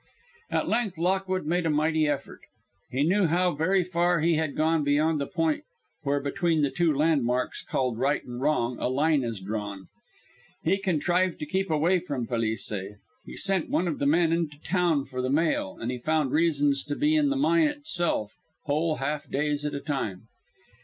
At length Lockwood made a mighty effort. He knew how very far he had gone beyond the point where between the two landmarks called right and wrong a line is drawn. He contrived to keep away from Felice. He sent one of the men into town for the mail, and he found reasons to be in the mine itself whole half days at a time.